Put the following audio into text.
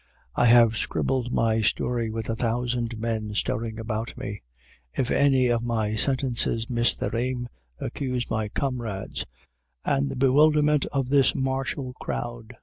I have scribbled my story with a thousand men stirring about me. If any of my sentences miss their aim, accuse my comrades and the bewilderment of this martial crowd.